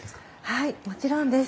はいもちろんです。